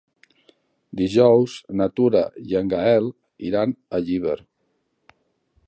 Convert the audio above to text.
Dijous na Tura i en Gaël iran a Llíber.